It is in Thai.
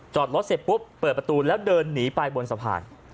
จอดรถเสร็จปุ๊บเปิดประตูแล้วเดินหนีไปบนสะพาน